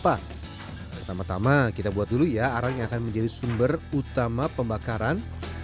pertama tama kita buat dulu ya arang yang akan menjadi sumber utama pembakaran